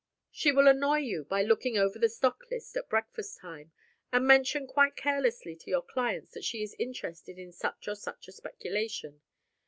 She will annoy you by looking over the stock list at breakfast time, and mention quite carelessly to your clients that she is interested in such or such a speculation.